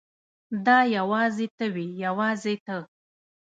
دا یوازې ته وې یوازې ته.